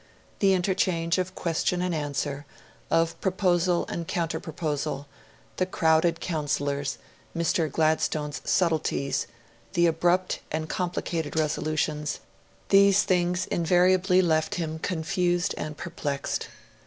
The interchange of question and answer, of proposal and counterproposal, the crowded counsellors, Mr. Gladstone's subtleties, the abrupt and complicated resolutions these things invariably left him confused and perplexed.